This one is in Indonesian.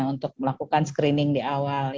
untuk melakukan screening di awal